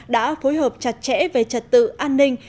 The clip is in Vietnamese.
đã phối hợp chặt chẽ về trật tự an ninh